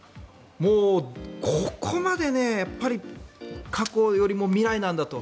もうここまで過去よりも未来なんだと。